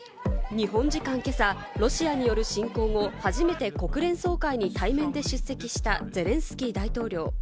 日本時間けさ、ロシアによる侵攻後、初めて国連総会に対面で出席した、ゼレンスキー大統領。